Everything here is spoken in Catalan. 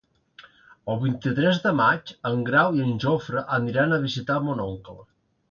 El vint-i-tres de maig en Grau i en Jofre aniran a visitar mon oncle.